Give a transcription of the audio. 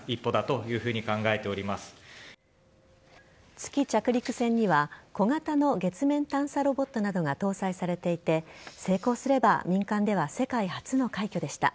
月着陸船には小型の月面探査ロボットなどが搭載されていて成功すれば民間では世界初の快挙でした。